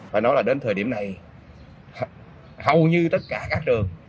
phải nói là đến thời điểm này hầu như tất cả các trường